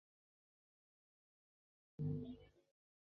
不去和他们聊天吗？